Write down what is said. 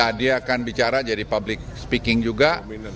nah dia akan bicara jadi public speaking juga